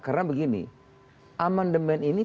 karena begini amandemen ini